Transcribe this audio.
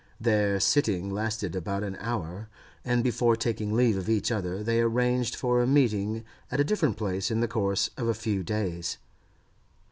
Their sitting lasted about an hour, and before taking leave of each other they arranged for a meeting at a different place in the course of a few days.